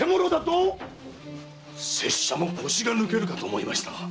拙者も腰が抜けるかと思いました！